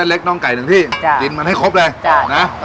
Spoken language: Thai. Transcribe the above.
เส้นเล็กน้องไก่หนึ่งที่ใช่จิ้นมันให้ครบเลยใช่นะ